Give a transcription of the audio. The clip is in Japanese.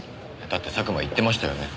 だって佐久間言ってましたよね。